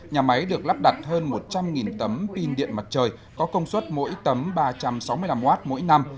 nhà máy được lắp đặt hơn một trăm linh tấm pin điện mặt trời có công suất mỗi tấm ba trăm sáu mươi năm w mỗi năm